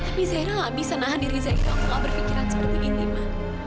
tapi zaira gak bisa nahan diri zaira untuk gak berpikiran seperti ini ma